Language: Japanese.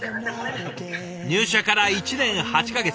入社から１年８か月。